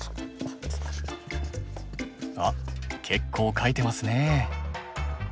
あっ結構書いてますね。